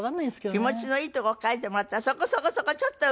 気持ちのいい所かいてもらったらそこそこそこちょっと上。